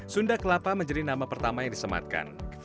sunda kelapa menjadi nama pertama yang disematkan